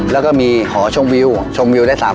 แล้วก็มีหอชมวิวชมวิวได้๓๖๐องศาเลย